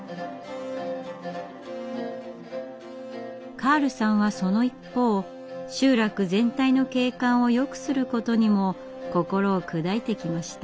カールさんはその一方集落全体の景観をよくすることにも心を砕いてきました。